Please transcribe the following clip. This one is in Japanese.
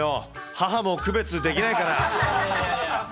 母も区別できないから！